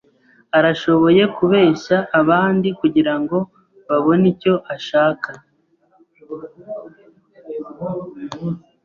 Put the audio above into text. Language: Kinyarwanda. Arashoboye kubeshya abandi kugirango babone icyo ashaka.